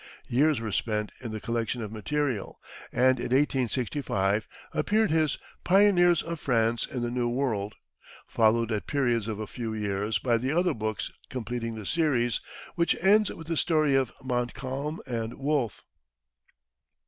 Years were spent in the collection of material and in 1865 appeared his "Pioneers of France in the New World," followed at periods of a few years by the other books completing the series, which ends with the story of Montcalm and Wolfe.